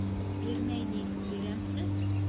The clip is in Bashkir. — Бирмәй ни, бирәмсе.